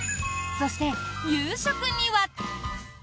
そして、夕食には。